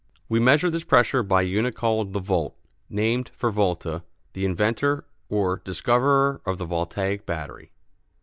We measure this pressure by a unit called the "volt," named for Volta, the inventor or discoverer of the voltaic battery.